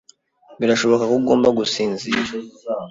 Birashoboka ko ugomba gusinzira.